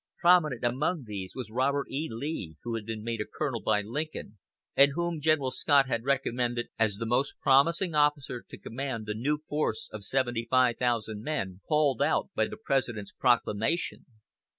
Prominent among these was Robert E. Lee, who had been made a colonel by Lincoln, and whom General Scott had recommended as the most promising officer to command the new force of 75,000 men called out by the President's proclamation.